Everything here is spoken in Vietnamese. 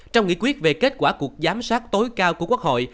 trong nghị quyết về kết quả cuộc giám sát tối cao của quốc hội